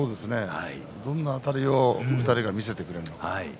どんな辺りを２人が見せてくれるのか